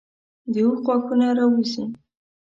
د اوښ غاښونه راوځي.